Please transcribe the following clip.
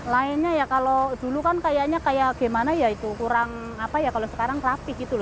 lainnya ya kalau dulu kan kayaknya kayak gimana ya itu kurang apa ya kalau sekarang rapih gitu loh